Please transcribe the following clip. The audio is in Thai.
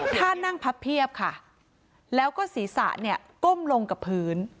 ท่านั่งพับเพียบค่ะแล้วก็ศีรษะเนี่ยก้มลงกับพื้น